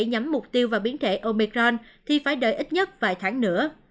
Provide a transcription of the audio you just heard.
nhắm mục tiêu vào biến thể omecron thì phải đợi ít nhất vài tháng nữa